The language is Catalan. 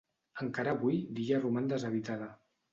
Encara avui, l'illa roman deshabitada.